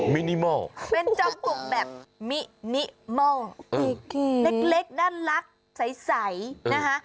มันเล็กเป็นจอมกลุ่มแบบมินิเมิลเล็กน่ารักใสนะฮะ